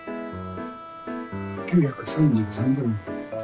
９３３グラムです。